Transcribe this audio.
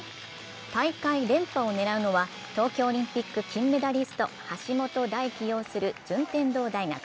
大会連覇を狙うのは東京オリンピック金メダリスト、橋本大輝擁する順天堂大学。